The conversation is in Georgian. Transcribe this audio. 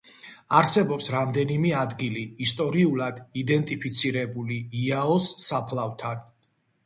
არსებობს რამდნეიმე ადგილი, ისტორიულად იდენტიფიცირებული იაოს საფლავთან.